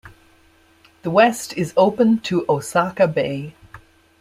The west is open to Osaka Bay.